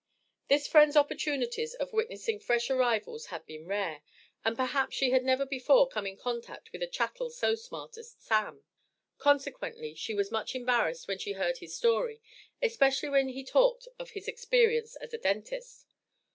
This friend's opportunities of witnessing fresh arrivals had been rare, and perhaps she had never before come in contact with a "chattel" so smart as "Sam." Consequently she was much embarrassed when she heard his story, especially when he talked of his experience as a "Dentist."